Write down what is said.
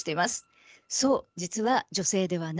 そう！